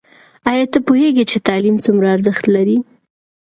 ایا ته پوهېږې چې تعلیم څومره ارزښت لري؟